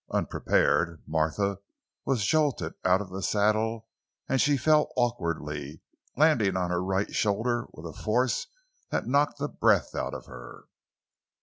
Unprepared, Martha was jolted out of the saddle and she fell awkwardly, landing on her right shoulder with a force that knocked the breath out of her.